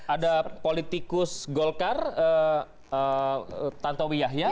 ada politikus golkar tantowi yahya